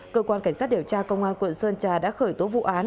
cơ quan cảnh sát điều tra công an quận sơn trà đã khởi tố vụ án